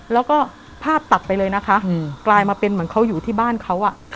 แล้วก็ภาพตัดไปเลยนะคะกลายมาเป็นเหมือนเขาอยู่ที่บ้านเขา